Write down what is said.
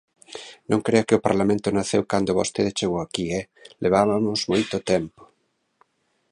Non crea que o Parlamento naceu cando vostede chegou aquí, ¡eh!, levabamos moito tempo.